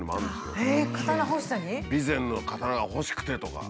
備前の刀が欲しくてとか。